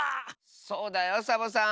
そうだよサボさん！